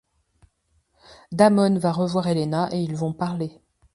Damon va revoir Elena et ils vont parler.